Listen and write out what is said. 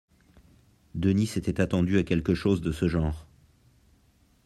Denis s’était attendu à quelque chose de ce genre.